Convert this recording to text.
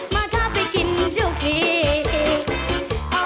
มาเข้าไปกินรูปภีร์